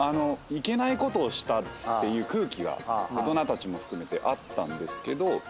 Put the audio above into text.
いけないことをしたっていう空気が大人たちも含めてあったんですけど。